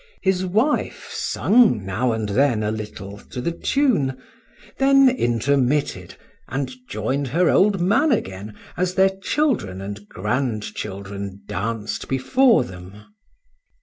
His wife sung now and then a little to the tune,—then intermitted,—and join'd her old man again, as their children and grand children danced before them.